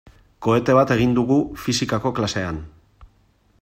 Kohete bat egin dugu fisikako klasean.